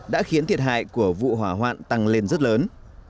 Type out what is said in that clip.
đã khiến thiệt hại của vụ hỏa hoạn tăng lên rất lớn